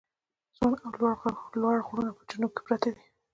ځوان او لوړ غرونه یې په جنوب کې پراته دي.